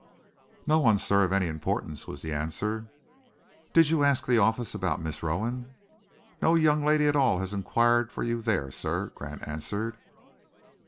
"No one, sir, of any importance," was the answer. "Did you ask the office about Miss Rowan?" "No young lady at all has inquired for you there, sir," Grant answered.